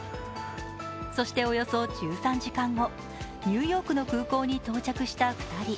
そしておよそ１３時間後、ニューヨークの空港に到着した２人。